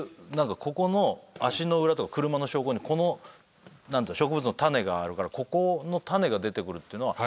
ここの足の裏とか車の証拠にこの植物の種があるからここの種が出てくるっていうのはここのエリアでしかない。